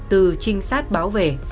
từ trinh sát báo vệ